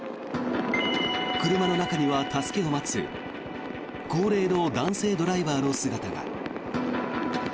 車の中には、助けを待つ高齢の男性ドライバーの姿が。